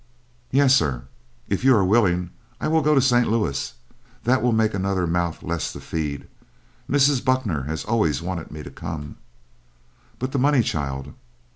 "Yes, sir. If you are willing, I will go to St. Louis. That will make another mouth less to feed. Mrs. Buckner has always wanted me to come." "But the money, child?"